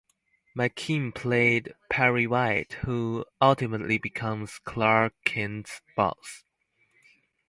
McKean played Perry White, who ultimately becomes Clark Kent's boss.